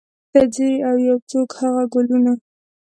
ته ځې او یو څوک هغه ګلونه